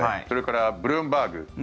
それからブルームバーグ。